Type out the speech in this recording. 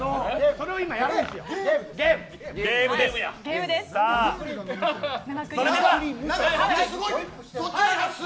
それを今やるんです。